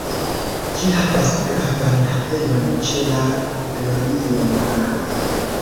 Ĝi havas gravan havenon ĉe la Ionia Maro.